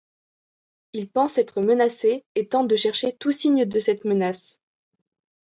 Ils pensent être menacés et tentent de chercher tout signe de cette menace.